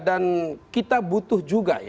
dan kita butuh juga